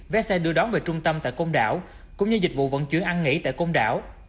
vé xe đưa đón về trung tâm tại công đảo cũng như dịch vụ vận chuyển ăn nghỉ tại công đảo